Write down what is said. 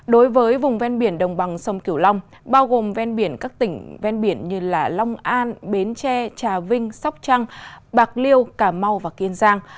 đối với vùng ven biển đồng bằng sông kiểu long bao gồm ven biển các tỉnh ven biển như long an bến tre trà vinh sóc trăng bạc liêu cà mau và kiên giang